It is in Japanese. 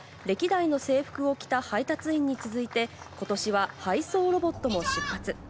歴代の制服を着た配達員に続いて、ことしは配送ロボットも出発。